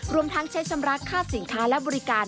รวมทั้งใช้ชำระค่าสินค้าและบริการ